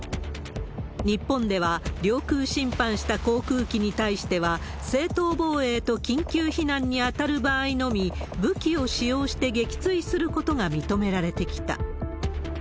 日本では、領空侵犯した航空機に対しては、正当防衛と緊急避難に当たる場合のみ、武器を使用して撃墜することが認められてきた。